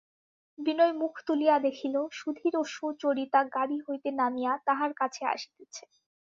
বিনয় মুখ তুলিয়া দেখিল, সুধীর ও সুচরিতা গাড়ি হইতে নামিয়া তাহার কাছে আসিতেছে।